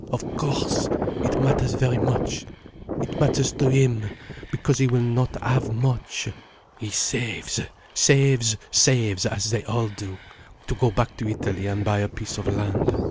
Of course it matters very much. It matters to him. Because he will not have much. He saves, saves, saves, as they all do, to go back to Italy and buy a piece of land.